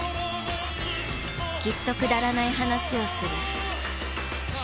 きっとくだらない話をする。